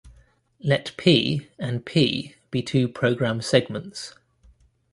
Let "P" and "P" be two program segments.